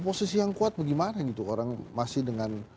posisi yang kuat bagaimana gitu orang masih dengan